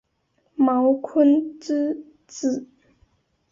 茅坤之子。